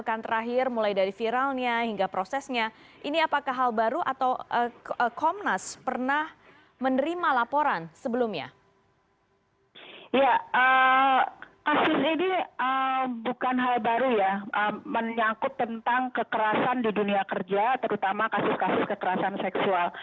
kasus ini bukan hal baru ya menyangkut tentang kekerasan di dunia kerja terutama kasus kasus kekerasan seksual